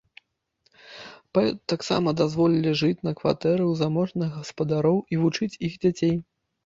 Паэту таксама дазволілі жыць на кватэры ў заможных гаспадароў і вучыць іх дзяцей.